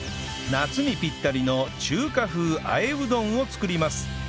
夏にぴったりの中華風和えうどんを作ります